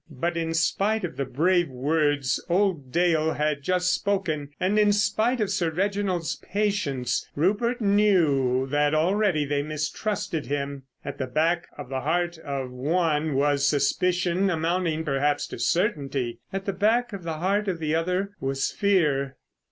But, in spite of the brave words old Dale had just spoken, and in spite of Sir Reginald's patience, Rupert knew that already they mistrusted him. At the back of the heart of one was suspicion amounting perhaps to certainty. At the back of the heart of the other was fear.